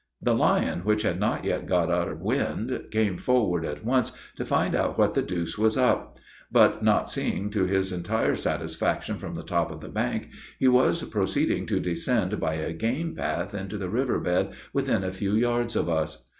The lion, which had not yet got our wind, came forward at once to find out what the deuse was up; but, not seeing to his entire satisfaction from the top of the bank, he was proceeding to descend by a game path into the river bed within a few yards of us.